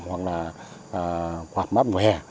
hoặc là quạt mát mùa hè